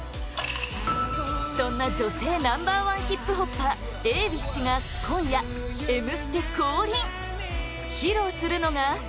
そんな女性ナンバー１ヒップホッパー、Ａｗｉｃｈ が今夜、「Ｍ ステ」降臨！披露するのが